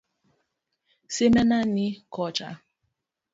Simena ni kocha.